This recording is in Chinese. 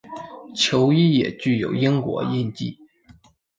球衣也具有英国印记。